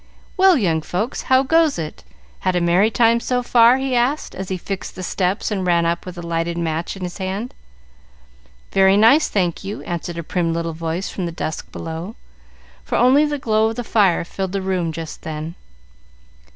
"Well, young folks, how goes it? Had a merry time so far?" he asked, as he fixed the steps and ran up with a lighted match in his hand. "Very nice, thank you," answered a prim little voice from the dusk below, for only the glow of the fire filled the room just then.